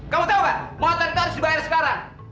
kamu tahu nggak motor itu harus dibayar sekarang